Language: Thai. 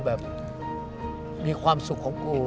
แบบมีความสุขของกู